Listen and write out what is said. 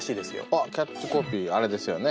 あっキャッチコピーあれですよね。